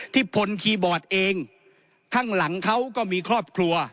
พลคีย์บอร์ดเองข้างหลังเขาก็มีครอบครัว